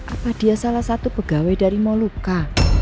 apa dia salah satu pegawai dari moluka